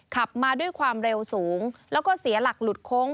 ขับมาด้วยความเร็วสูงแล้วก็เสียหลักหลุดโค้ง